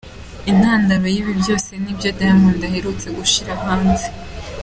Intandaro y'ibi byose ni ibyo Diamond aherutse gushyira hanze.